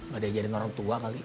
udah diajarin orang tua kali